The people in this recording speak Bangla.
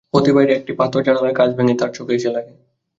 পথে বাইরে থেকে একটি পাথর জানালার কাচ ভেঙে তাঁর চোখে এসে লাগে।